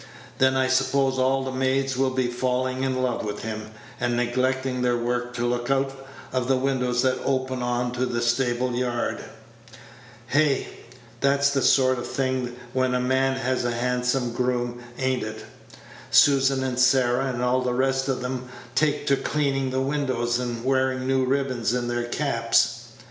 "Then I suppose all the maids will be falling in love with him, and neglecting their work to look out of the windows that open on to the stable yard, hey? That's the sort of thing when a man has a handsome groom, a'n't it? Susan and Sarah, and all the rest of 'em, take to cleaning the windows, and wearing new ribbons in their caps?"